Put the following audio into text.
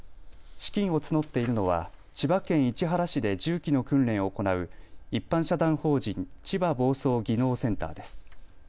資金を募っているのは千葉県市原市で重機の訓練を行う一般社団法人千葉房総技能センターです。